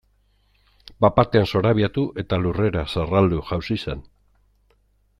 Bat batean zorabiatu eta lurrera zerraldo jausi zen.